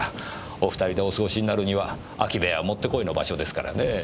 お２人でお過ごしになるには空き部屋はもってこいの場所ですからねぇ。